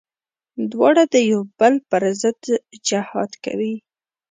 دواړه د يو بل پر ضد جهاد کوي.